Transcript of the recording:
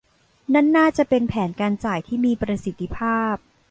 นั่นน่าจะเป็นแผนการจ่ายที่มีประสิทธิภาพ